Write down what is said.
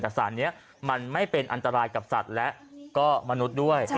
แต่สารนี้มันไม่เป็นอันตรายกับสัตว์และก็มนุษย์ด้วย